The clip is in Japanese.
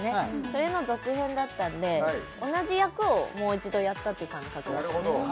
それの続編だったんで同じ役をもう一度やったっていう感覚ですよね